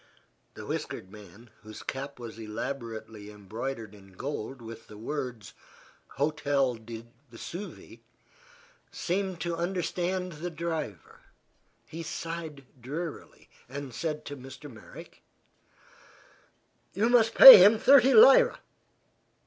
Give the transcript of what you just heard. The whiskered man, whose cap was elaborately embroidered in gold with the words "Hotel du Vesuve," seemed to understand the driver. He sighed drearily and said to Mr. Merrick: "You must pay him thirty lira."